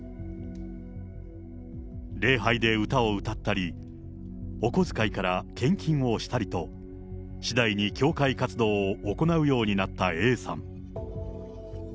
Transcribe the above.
礼拝で歌を歌ったり、お小遣いから献金をしたりと、次第に教会活動を行うようになったＡさん。